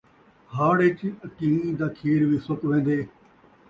ہاڑھ ءِچ اکیں دا کھیر وی سُک وین٘دے